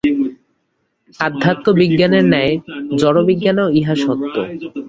অধ্যাত্মবিজ্ঞানের ন্যায় জড়বিজ্ঞানেও ইহা সত্য।